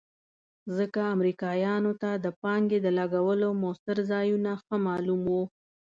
ځکه امریکایانو ته د پانګې د لګولو مؤثر ځایونه ښه معلوم وو.